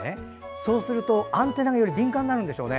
そうするとアンテナがより敏感になるんでしょうね。